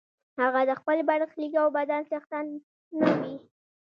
هغه د خپل برخلیک او بدن څښتن نه وي.